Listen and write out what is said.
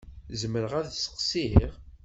Zemreɣ ad d-sseqsiɣ?